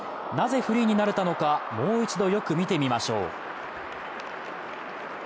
なぜフリーになれたのか、もう一度よく見てみましょう。